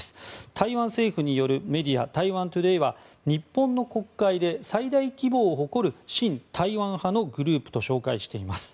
台湾政府によるメディアタイワン・トゥデイは日本の国会で最大規模を誇る親台湾派のグループと紹介しています。